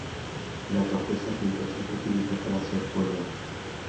La corteza fibrosa se utiliza para hacer cuerda.